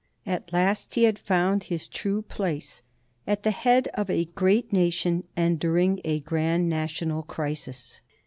At last he had found his true place — at the head of a great nation and during a grand national crisis.